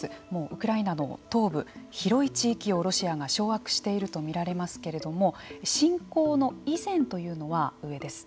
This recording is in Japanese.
ウクライナの東部広い地域をロシアが掌握していると見られますけれども侵攻の以前というのは上です。